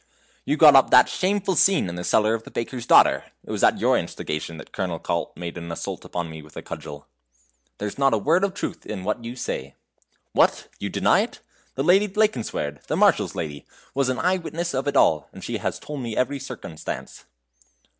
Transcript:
"You got up that shameful scene in the cellar of the baker's daughter. It was at your instigation that Colonel Kalt made an assault upon me with a cudgel." "There's not a word of truth in what you say." "What! you deny it? The Lady Blankenswerd, the Marshal's lady, was an eye witness of it all, and she has told me every circumstance."